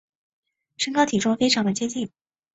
身高体重非常的接近